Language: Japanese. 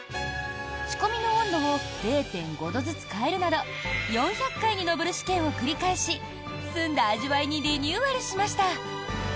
仕込みの温度を０．５度ずつ変えるなど４００回に上る試験を繰り返し澄んだ味わいにリニューアルしました。